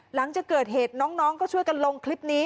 หลังจากเกิดเหตุน้องก็ช่วยกันลงคลิปนี้